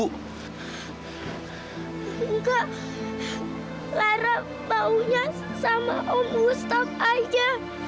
enggak lara baunya sama om gustaf aja